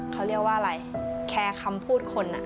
เขาเรียกว่าอะไรแคร์คำพูดคน